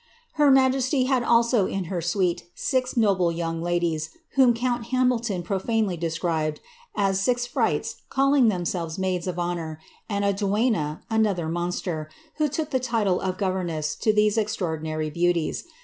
Her majesty had also in her suite six noble young ladies, whom cooal Hamilton profanely describes as ^^six frights, calUng themselves miidf of honour, and a duenna, another monster, who took the tide of f^ verncss to these extraordinary beauties.